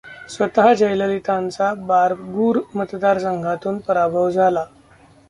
स्वतः जयललितांचा बारगूर मतदारसंघातून पराभव झाला.